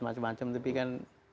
macam macam tapi kan